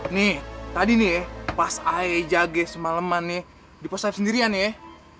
nih tadi nih pas aja semaleman nih di posaib sendirian nih